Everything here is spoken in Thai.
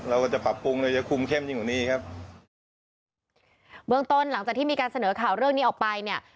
เราก็จะปรับปรุงเราจะคุมเข้มยิ่งกว่านี้ครับเบื้องต้นหลังจากที่มีการเสนอข่าวเรื่องนี้ออกไปเนี่ย